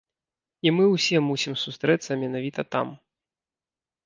І мы ўсе мусім сустрэцца менавіта там.